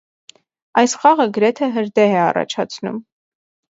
Այս խաղը գրեթե հրդեհ է առաջացնում։